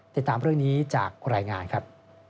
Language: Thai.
ติดตามเรื่องนี้จากรายงานครับ